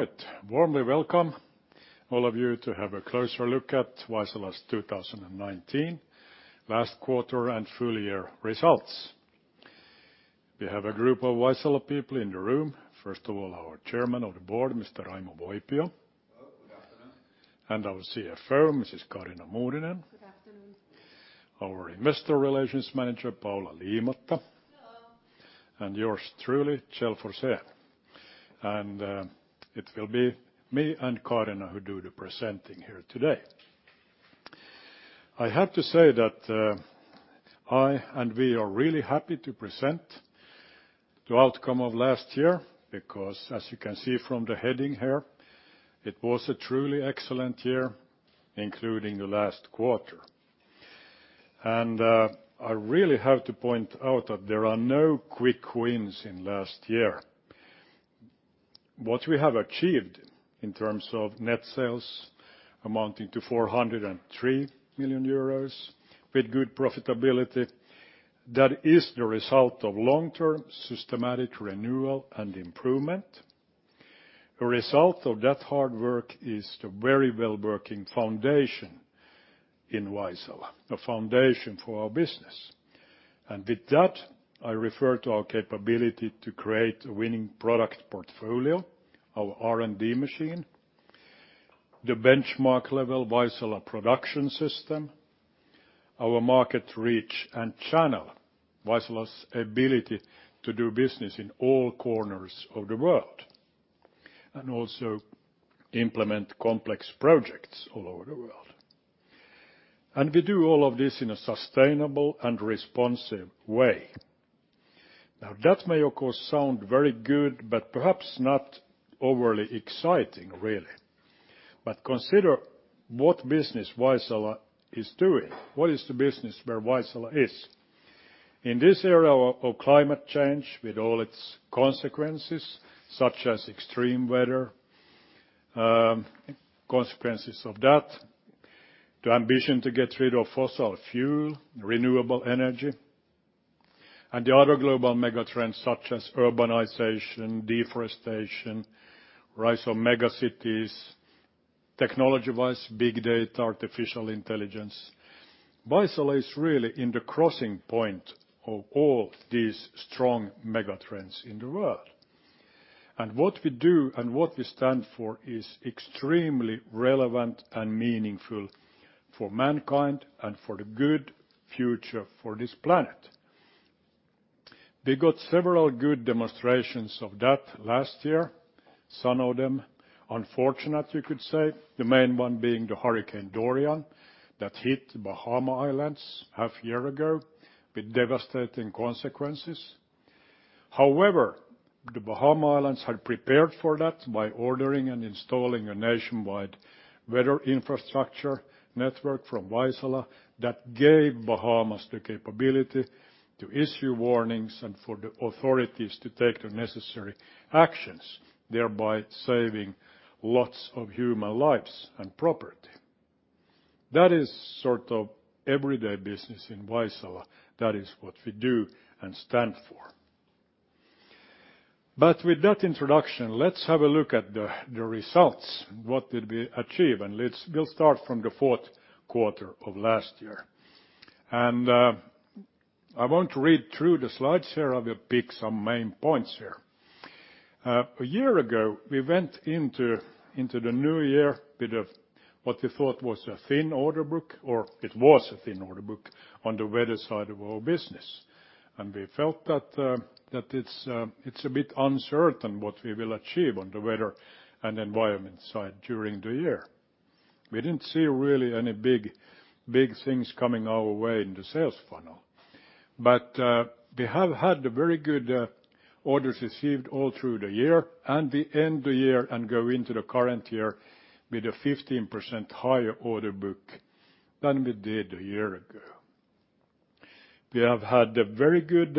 Right. Warmly welcome all of you to have a closer look at Vaisala's 2019 Last Quarter and Full Year Results. We have a group of Vaisala people in the room. First of all, our Chairman of the Board, Mr. Raimo Voipio. Hello, good afternoon. Our CFO, Mrs Kaarina Muurinen. Good afternoon. Our Investor Relations Manager, Paula Liimatta. Hello. Yours truly, Kjell Forsén. It will be me and Kaarina who do the presenting here today. I have to say that I, and we, are really happy to present the outcome of last year because, as you can see from the heading here, it was a truly excellent year, including the last quarter. I really have to point out that there are no quick wins in last year. What we have achieved in terms of net sales amounting to 403 million euros with good profitability, that is the result of long-term systematic renewal and improvement. A result of that hard work is the very well-working foundation in Vaisala, a foundation for our business. With that, I refer to our capability to create a winning product portfolio, our R&D machine, the benchmark level Vaisala production system, our market reach and channel, Vaisala's ability to do business in all corners of the world, and also implement complex projects all over the world. We do all of this in a sustainable and responsive way. Now, that may, of course, sound very good, but perhaps not overly exciting, really. Consider what business Vaisala is doing. What is the business where Vaisala is? In this era of climate change, with all its consequences, such as extreme weather, consequences of that, the ambition to get rid of fossil fuel, renewable energy, and the other global mega trends such as urbanization, deforestation, rise of mega cities, technology-wise, big data, artificial intelligence, Vaisala is really in the crossing point of all these strong mega trends in the world. What we do and what we stand for is extremely relevant and meaningful for mankind and for the good future for this planet. We got several good demonstrations of that last year. Some of them unfortunate, you could say. The main one being the Hurricane Dorian that hit the Bahamas half year ago with devastating consequences. However, the Bahama Islands had prepared for that by ordering and installing a nationwide weather infrastructure network from Vaisala that gave Bahamas the capability to issue warnings and for the authorities to take the necessary actions, thereby saving lots of human lives and property. That is sort of everyday business in Vaisala. That is what we do and stand for. With that introduction, let's have a look at the results, what did we achieve, and we'll start from the fourth quarter of last year. I won't read through the slides here. I will pick some main points here. A year ago, we went into the new year with what we thought was a thin order book, or it was a thin order book on the weather side of our business. We felt that it's a bit uncertain what we will achieve on the weather and environment side during the year. We didn't see really any big things coming our way in the sales funnel. We have had very good orders received all through the year, and we end the year and go into the current year with a 15% higher order book than we did a year ago. We have had a very good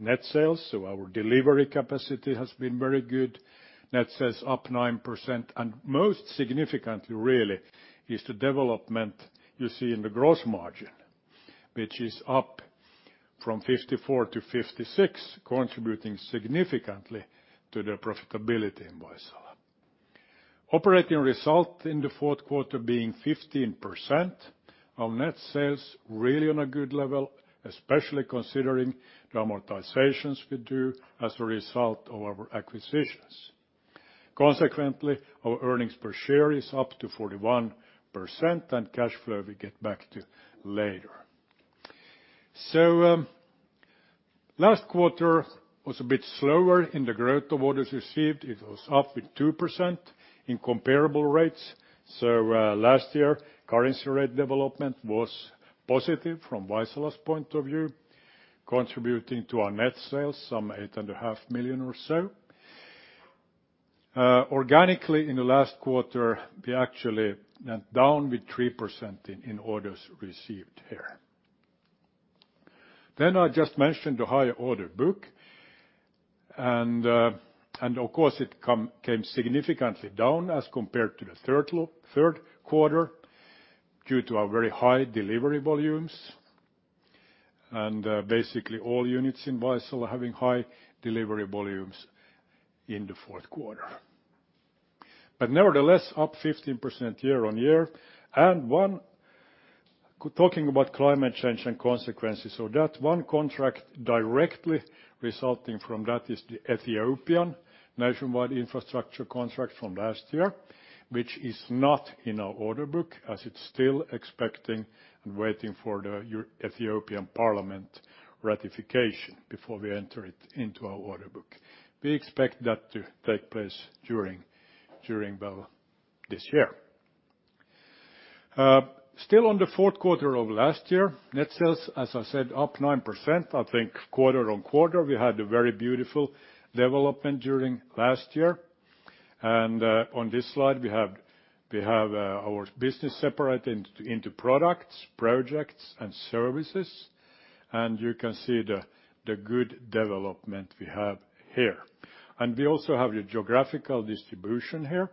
net sales, so our delivery capacity has been very good. Net sales up 9%, and most significantly really is the development you see in the gross margin, which is up from 54% to 56%, contributing significantly to the profitability in Vaisala. Operating result in the fourth quarter being 15% of net sales, really on a good level, especially considering the amortizations we do as a result of our acquisitions. Consequently, our earnings per share is up to 41%. Cash flow we get back to later. Last quarter was a bit slower in the growth of orders received. It was up with 2% in comparable rates. Last year, currency rate development was positive from Vaisala's point of view, contributing to our net sales some 8.5 Million or so. Organically in the last quarter, we actually went down with 3% in orders received here. I just mentioned the higher order book. Of course it came significantly down as compared to the third quarter due to our very high delivery volumes. Basically all units in Vaisala are having high delivery volumes in the fourth quarter. Nevertheless, up 15% year-on-year. Talking about climate change and consequences. That one contract directly resulting from that is the Ethiopian nationwide infrastructure contract from last year, which is not in our order book as it's still expecting and waiting for the Ethiopian Parliament ratification before we enter it into our order book. We expect that to take place during this year. Still on the fourth quarter of last year, net sales, as I said, up 9%, I think quarter-over-quarter. We had a very beautiful development during last year. On this slide, we have our business separated into products, projects and services. You can see the good development we have here. We also have the geographical distribution here,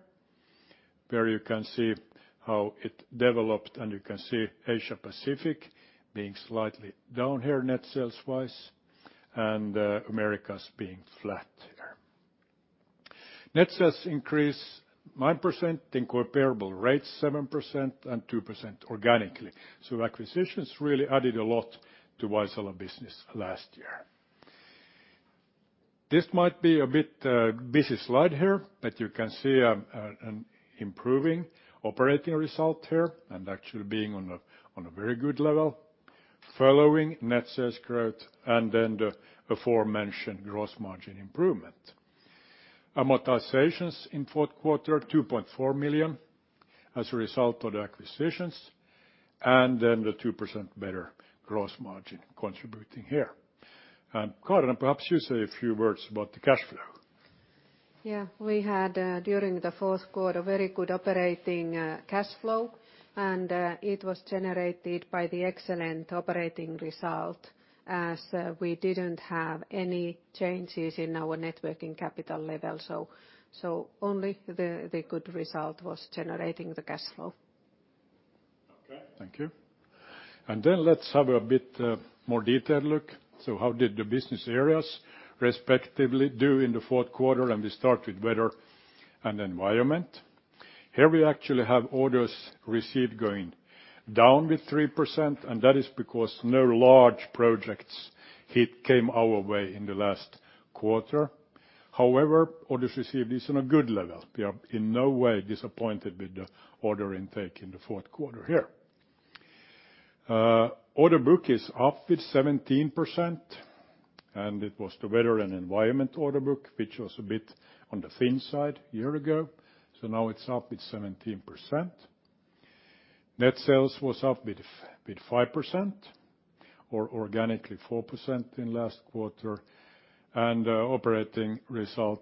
where you can see how it developed, and you can see Asia-Pacific being slightly down here net sales-wise, and the Americas being flat here. Net sales increased 9%, in comparable rates 7% and 2% organically. Acquisitions really added a lot to Vaisala business last year. This might be a bit busy slide here, but you can see an improving operating result here, and actually being on a very good level, following net sales growth and then the aforementioned gross margin improvement. Amortizations in fourth quarter, 2.4 million as a result of the acquisitions, and then the 2% better gross margin contributing here. Kaarina, perhaps you say a few words about the cash flow. Yeah. We had, during the fourth quarter, a very good operating cash flow, and it was generated by the excellent operating result as we didn't have any changes in our net working capital level. Only the good result was generating the cash flow. Okay, thank you. Let's have a bit more detailed look. How did the business areas respectively do in the fourth quarter? We start with Weather and Environment. Here we actually have orders received going down with 3%, and that is because no large projects hit came our way in the last quarter. However, orders received is in a good level. We are in no way disappointed with the order intake in the fourth quarter here. Order book is up with 17%, and it was the Weather and Environment order book, which was a bit on the thin side a year ago. Now it's up with 17%. Net sales was up with 5% or organically 4% in last quarter. Operating result,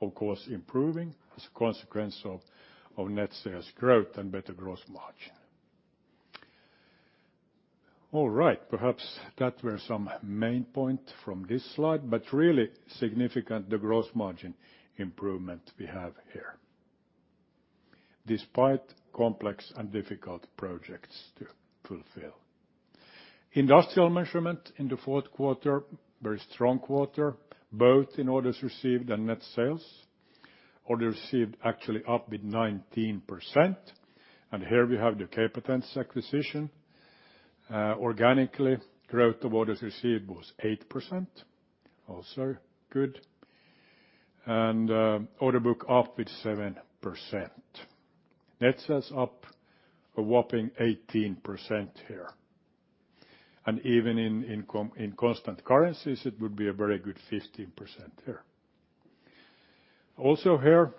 of course, improving as a consequence of net sales growth and better gross margin. Perhaps that was some main point from this slide, but really significant the gross margin improvement we have here despite complex and difficult projects to fulfill. Industrial Measurement in the fourth quarter, very strong quarter, both in orders received and net sales. Orders received actually up with 19%. Here we have the K-Patents acquisition. Organically, growth of orders received was 8%, also good. Order book up with 7%. Net sales up a whopping 18% here. Even in constant currencies, it would be a very good 15% here. Also here,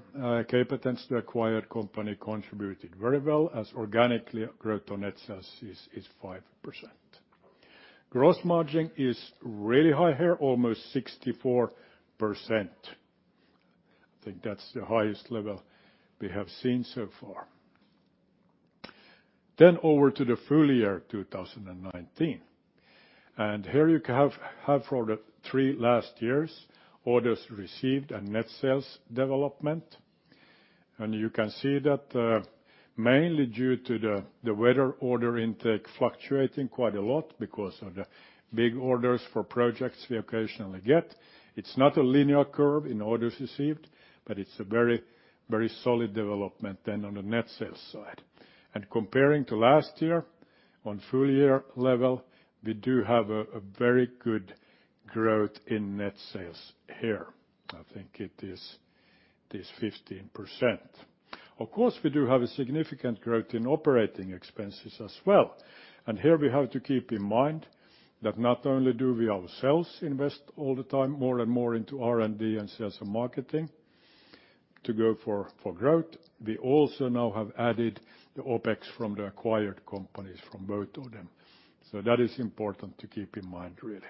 K-Patents, the acquired company, contributed very well as organically growth on net sales is 5%. Gross margin is really high here, almost 64%. I think that's the highest level we have seen so far. Over to the full year 2019. Here you have for the three last years orders received and net sales development. You can see that mainly due to the weather order intake fluctuating quite a lot because of the big orders for projects we occasionally get. It's not a linear curve in orders received, but it's a very solid development then on the net sales side. Comparing to last year, on full year level, we do have a very good growth in net sales here. I think it is this 15%. Of course, we do have a significant growth in operating expenses as well. Here we have to keep in mind that not only do we ourselves invest all the time more and more into R&D and sales and marketing to go for growth, we also now have added the OpEx from the acquired companies from both of them. That is important to keep in mind, really.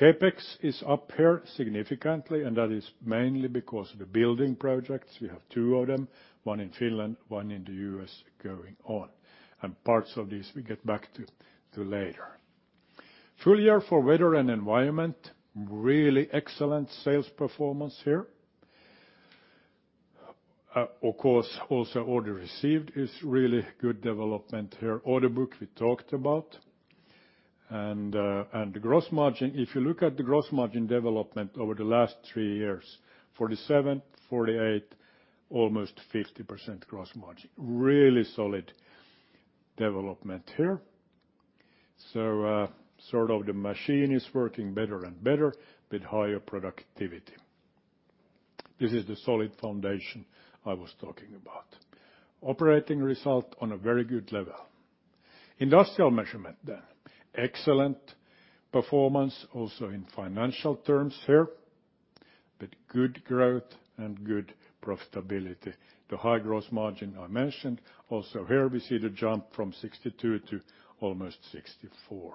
CapEx is up here significantly. That is mainly because of the building projects. We have two of them, one in Finland, one in the U.S. going on. Parts of these we get back to later. Full year for weather and environment, really excellent sales performance here. Of course, also order received is really good development here. Order book we talked about. If you look at the gross margin development over the last three years, 47%, 48%, almost 50% gross margin. Really solid development here. The machine is working better and better with higher productivity. This is the solid foundation I was talking about. Operating result on a very good level. Industrial Measurement, excellent performance also in financial terms here, with good growth and good profitability. The high gross margin I mentioned, also here we see the jump from 62 to almost 64.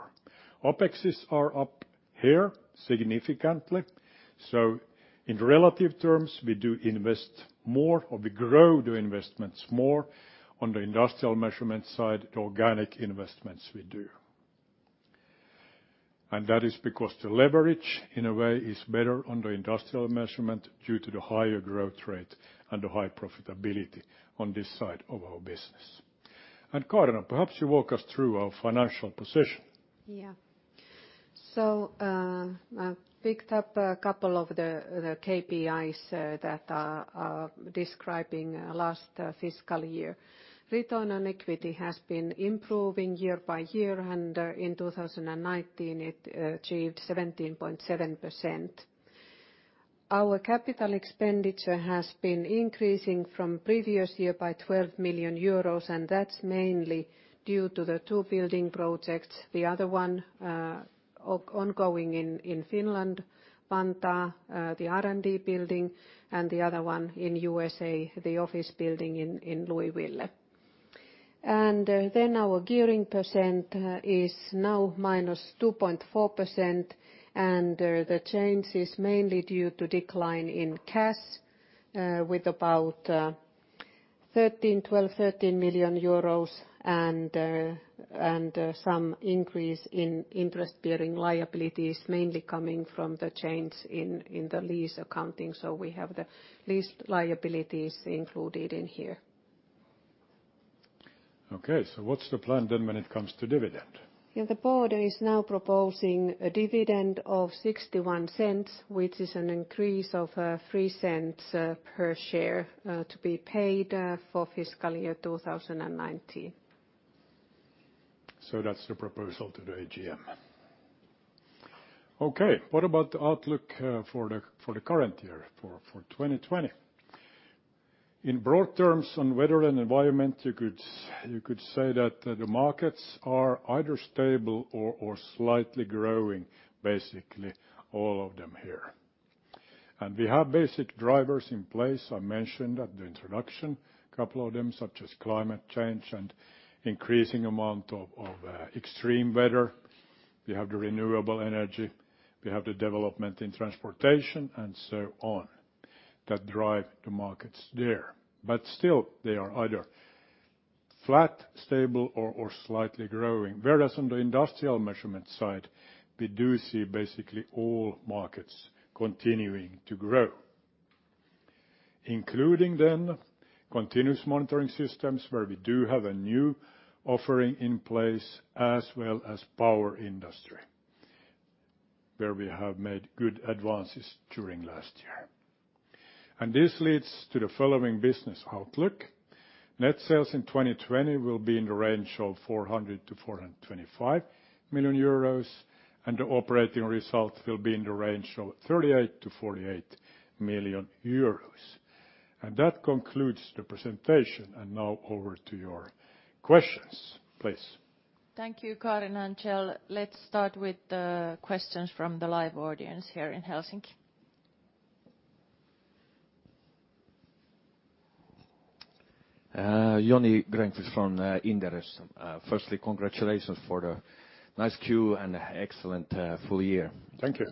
OpEx are up here significantly. In relative terms, we do invest more, or we grow the investments more on the Industrial Measurement side, the organic investments we do. That is because the leverage, in a way, is better on the Industrial Measurement due to the higher growth rate and the high profitability on this side of our business. Kaarina, perhaps you walk us through our financial position. I picked up a couple of the KPIs that are describing last fiscal year. Return on equity has been improving year by year, and in 2019 it achieved 17.7%. Our capital expenditure has been increasing from previous year by 12 million euros, that's mainly due to the two building projects. The other one ongoing in Finland, Vantaa, the R&D building, the other one in U.S.A., the office building in Louisville. Our gearing percent is now -2.4%, the change is mainly due to decline in cash, with about 12 million-13 million euros and some increase in interest-bearing liabilities mainly coming from the change in the lease accounting. We have the lease liabilities included in here. Okay, what's the plan then when it comes to dividend? The board is now proposing a dividend of 0.61, which is an increase of 0.03 per share to be paid for fiscal year 2019. That's the proposal to the AGM. Okay. What about the outlook for the current year, for 2020? In broad terms, on weather and environment, you could say that the markets are either stable or slightly growing, basically all of them here. We have basic drivers in place. I mentioned at the introduction a couple of them, such as climate change and increasing amount of extreme weather. We have the renewable energy, we have the development in transportation, and so on, that drive the markets there. Still, they are either flat, stable, or slightly growing. Whereas on the Industrial Measurement side, we do see basically all markets continuing to grow, including then continuous monitoring systems, where we do have a new offering in place, as well as power industry, where we have made good advances during last year. This leads to the following business outlook. Net sales in 2020 will be in the range of 400 million-425 million euros, and the operating result will be in the range of 38 million-48 million euros. That concludes the presentation. Now over to your questions, please. Thank you, Kaarina and Kjell. Let's start with the questions from the live audience here in Helsinki. Joni Grönqvist from Inderes. Firstly, congratulations for the nice quarter and excellent full year. Thank you.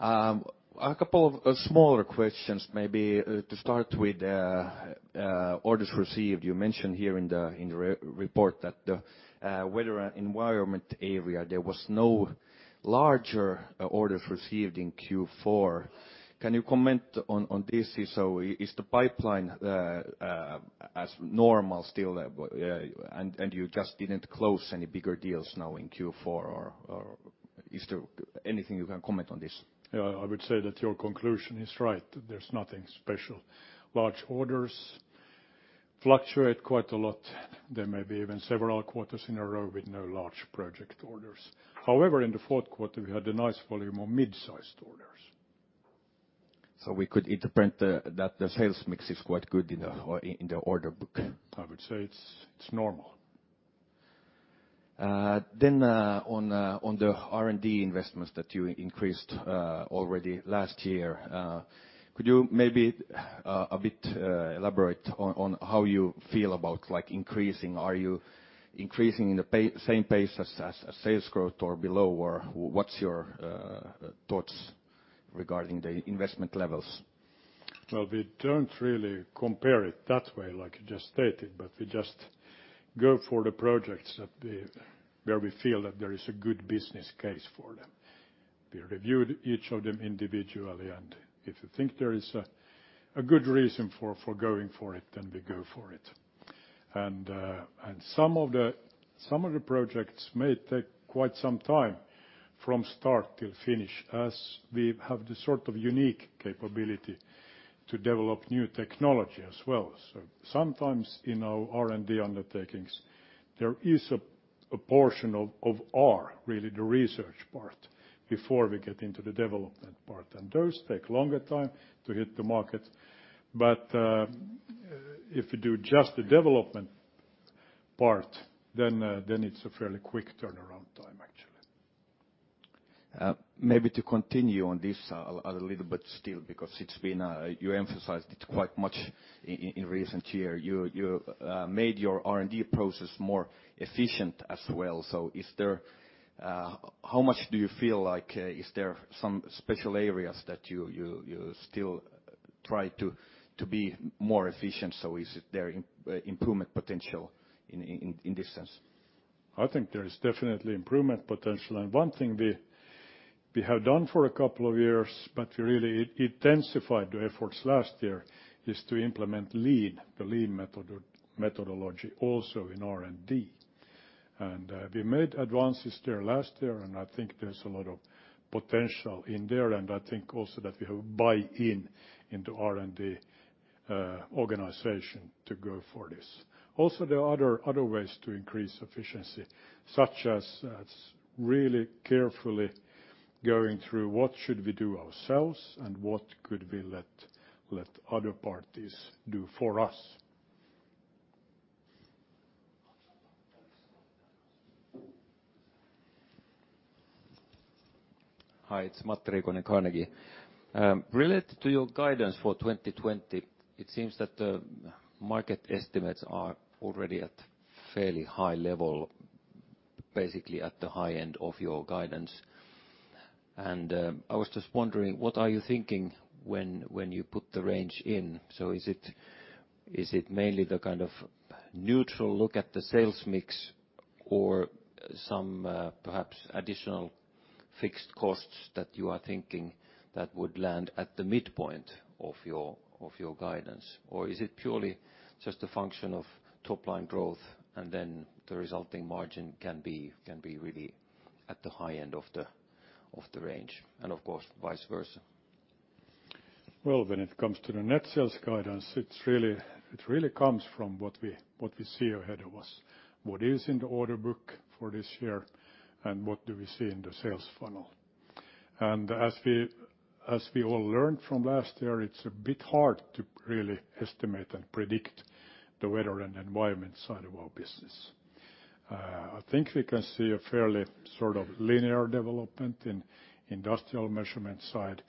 A couple of smaller questions. Maybe to start with orders received, you mentioned here in the report that the weather and environment area, there was no larger orders received in Q4. Can you comment on this? Is the pipeline as normal still, and you just didn't close any bigger deals now in Q4, or is there anything you can comment on this? Yeah, I would say that your conclusion is right. There's nothing special. Large orders fluctuate quite a lot. There may be even several quarters in a row with no large project orders. However, in the fourth quarter, we had a nice volume of mid-sized orders. We could interpret that the sales mix is quite good in the order book? I would say it's normal. On the R&D investments that you increased already last year, could you maybe a bit elaborate on how you feel about increasing? Are you increasing in the same pace as sales growth or below, or what's your thoughts regarding the investment levels? Well, we don't really compare it that way like you just stated, but we just go for the projects where we feel that there is a good business case for them. We reviewed each of them individually, and if we think there is a good reason for going for it, then we go for it. Some of the projects may take quite some time from start till finish, as we have the sort of unique capability to develop new technology as well. Sometimes in our R&D undertakings, there is a portion of R, really the research part, before we get into the development part. Those take longer time to hit the market. If you do just the development part, then it's a fairly quick turnaround time, actually. To continue on this a little bit still, because you emphasized it quite much in recent year. You made your R&D process more efficient as well. How much do you feel like is there some special areas that you still try to be more efficient? Is there improvement potential in this sense? I think there is definitely improvement potential. One thing we have done for a couple of years, but we really intensified the efforts last year, is to implement the lean methodology also in R&D. We made advances there last year, and I think there's a lot of potential in there, and I think also that we have buy-in in the R&D organization to go for this. Also, there are other ways to increase efficiency, such as really carefully going through what should we do ourselves and what could we let other parties do for us. Hi, it's Matti Riikonen, Carnegie. Related to your guidance for 2020, it seems that the market estimates are already at fairly high level, basically at the high end of your guidance. I was just wondering, what are you thinking when you put the range in? Is it mainly the kind of neutral look at the sales mix or some perhaps additional fixed costs that you are thinking that would land at the midpoint of your guidance? Is it purely just a function of top-line growth, and then the resulting margin can be really at the high end of the range, and of course, vice versa? Well, when it comes to the net sales guidance, it really comes from what we see ahead of us, what is in the order book for this year, and what do we see in the sales funnel. As we all learned from last year, it's a bit hard to really estimate and predict the weather and environment side of our business. I think we can see a fairly linear development in industrial measurement side.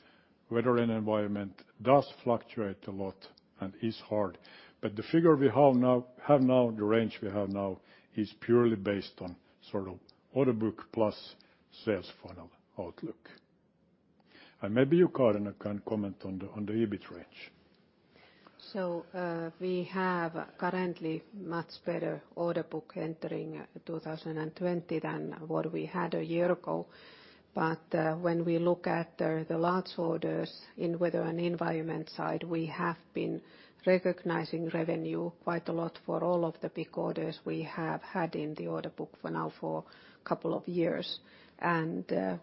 Weather and environment does fluctuate a lot and is hard. The figure we have now, the range we have now, is purely based on order book plus sales funnel outlook. Maybe you, Kaarina, can comment on the EBIT range. We have currently much better order book entering 2020 than what we had a year ago. When we look at the large orders in weather and environment side, we have been recognizing revenue quite a lot for all of the big orders we have had in the order book for now for a couple of years.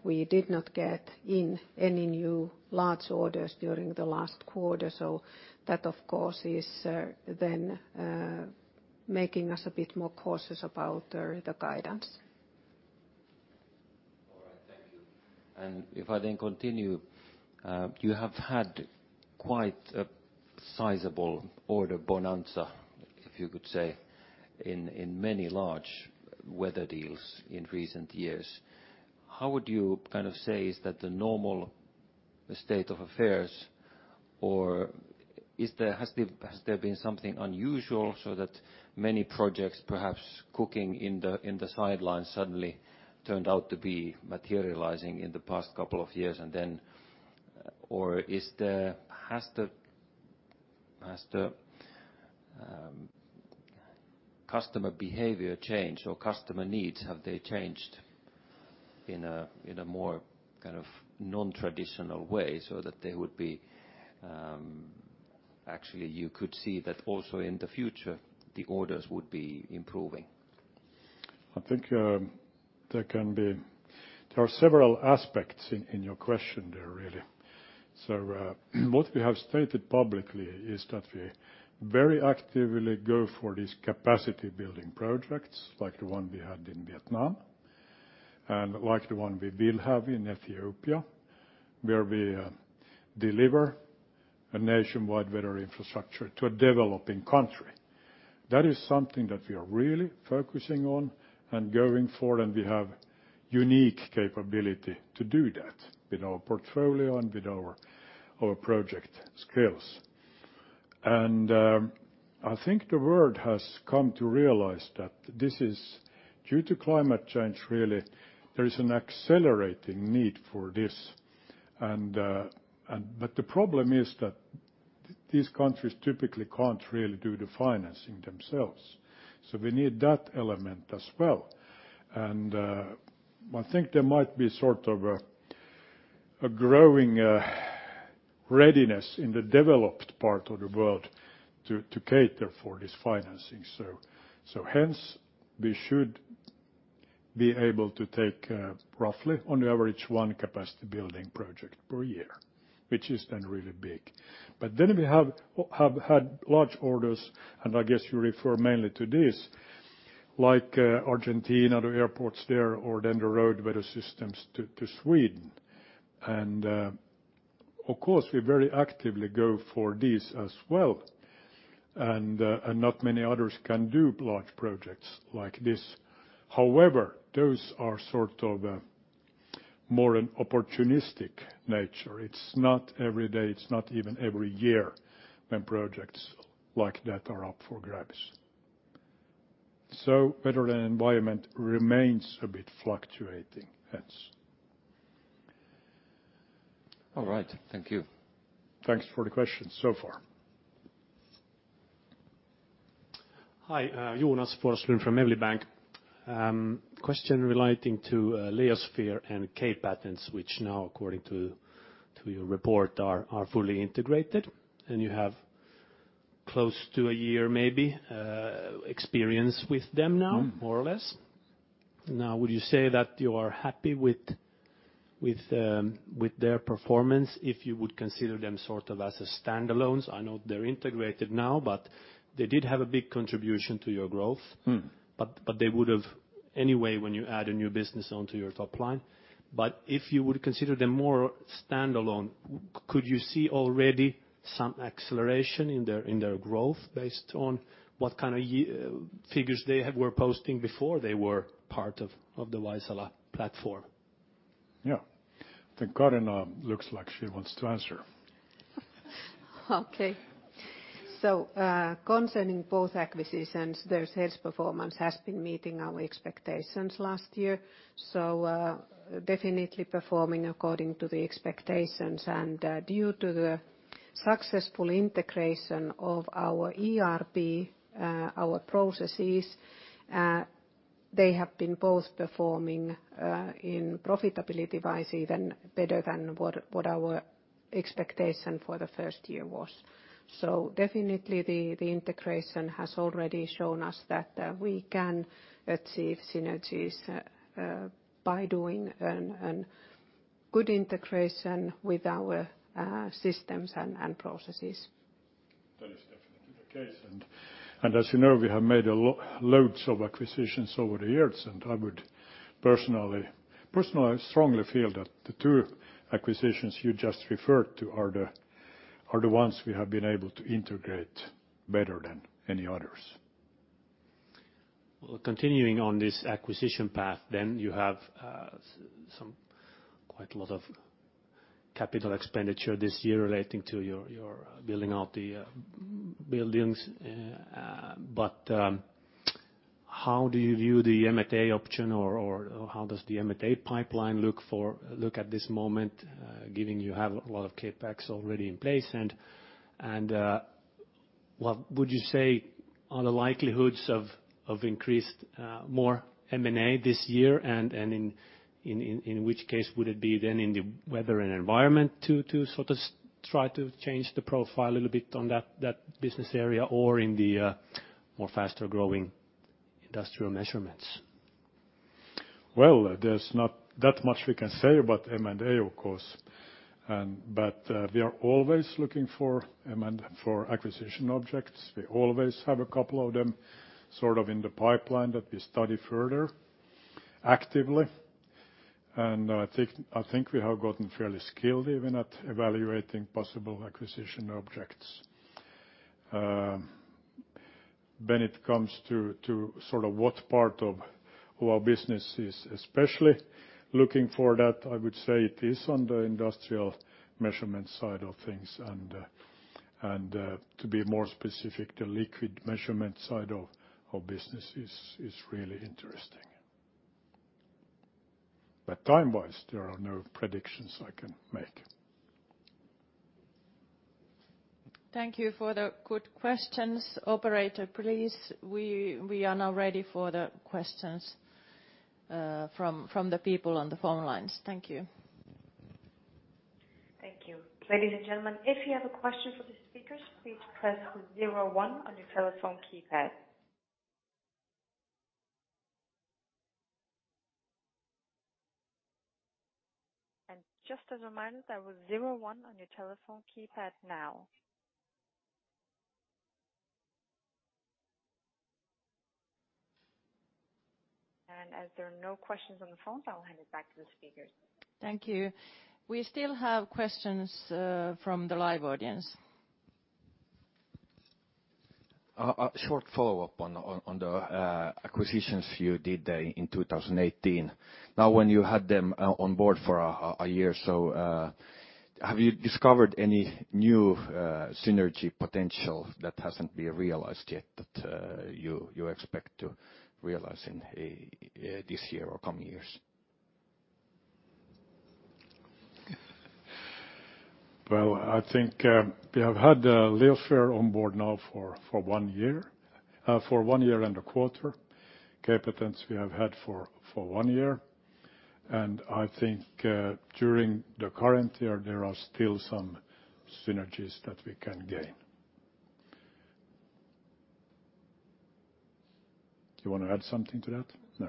We did not get in any new large orders during the last quarter, so that, of course, is then making us a bit more cautious about the guidance. All right. Thank you. If I continue, you have had quite a sizable order bonanza, if you could say, in many large weather deals in recent years. How would you say is that the normal state of affairs, or has there been something unusual so that many projects perhaps cooking in the sidelines suddenly turned out to be materializing in the past couple of years? Has the customer behavior changed, or customer needs, have they changed in a more kind of nontraditional way so that there would be, actually, you could see that also in the future the orders would be improving? I think there are several aspects in your question there, really. What we have stated publicly is that we very actively go for these capacity-building projects, like the one we had in Vietnam, and like the one we will have in Ethiopia, where we deliver a nationwide weather infrastructure to a developing country. That is something that we are really focusing on and going for, and we have unique capability to do that with our portfolio and with our project skills. I think the world has come to realize that this is due to climate change, really. There is an accelerating need for this. The problem is that these countries typically can't really do the financing themselves, so we need that element as well. I think there might be a growing readiness in the developed part of the world to cater for this financing. Hence, we should be able to take roughly on average one capacity-building project per year, which is then really big. We have had large orders, and I guess you refer mainly to this, like Argentina, the airports there, or then the road weather systems to Sweden. Of course, we very actively go for these as well, and not many others can do large projects like this. However, those are more an opportunistic nature. It's not every day, it's not even every year when projects like that are up for grabs. Weather and environment remains a bit fluctuating, hence. All right. Thank you. Thanks for the questions so far. Hi, Jonas Forslund from Evli Bank. Question relating to Leosphere and K-Patents, which now, according to your report, are fully integrated, and you have close to a year maybe experience with them now. more or less. Would you say that you are happy with their performance, if you would consider them as a standalones? I know they're integrated now, but they did have a big contribution to your growth. They would've anyway, when you add a new business onto your top line. If you would consider them more standalone, could you see already some acceleration in their growth based on what kind of figures they were posting before they were part of the Vaisala platform? Yeah. I think Kaarina looks like she wants to answer. Okay. Concerning both acquisitions, their sales performance has been meeting our expectations last year. Definitely performing according to the expectations. Due to the successful integration of our ERP, our processes they have been both performing in profitability-wise even better than what our expectation for the first year was. Definitely the integration has already shown us that we can achieve synergies by doing good integration with our systems and processes. That is definitely the case. As you know, we have made loads of acquisitions over the years, and I would personally strongly feel that the two acquisitions you just referred to are the ones we have been able to integrate better than any others. Continuing on this acquisition path, then you have quite a lot of capital expenditure this year relating to your building out the buildings. How do you view the M&A option, or how does the M&A pipeline look at this moment, given you have a lot of CapEx already in place? What would you say are the likelihoods of increased more M&A this year, and in which case would it be then in the weather and environment to try to change the profile a little bit on that business area or in the more faster-growing industrial measurements? Well, there's not that much we can say about M&A, of course. We are always looking for acquisition objects. We always have a couple of them sort of in the pipeline that we study further actively. I think we have gotten fairly skilled even at evaluating possible acquisition objects. When it comes to what part of our business is especially looking for that, I would say it is on the industrial measurement side of things, and to be more specific, the liquid measurement side of our business is really interesting. Time-wise, there are no predictions I can make. Thank you for the good questions. Operator, please, we are now ready for the questions from the people on the phone lines. Thank you. Thank you. Ladies and gentlemen, if you have a question for the speakers, please press zero one on your telephone keypad. Just as a reminder, that was zero one on your telephone keypad now. As there are no questions on the phones, I'll hand it back to the speakers. Thank you. We still have questions from the live audience. A short follow-up on the acquisitions you did in 2018. When you had them on board for a year or so, have you discovered any new synergy potential that hasn't been realized yet that you expect to realize in this year or coming years? Well, I think we have had Leosphere on board now for one year and a quarter. K-Patents we have had for one year. I think during the current year, there are still some synergies that we can gain. Do you want to add something to that? No.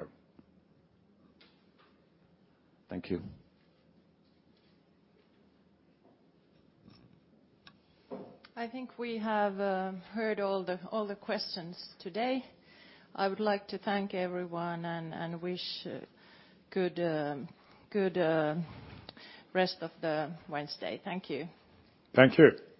Thank you. I think we have heard all the questions today. I would like to thank everyone and wish good rest of the Wednesday. Thank you. Thank you.